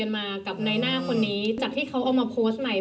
เธออยากให้ชี้แจ่งความจริง